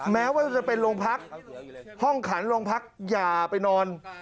แม้ว่าจะเป็นโรงพักห้องขันโรงพักอย่าไปนอน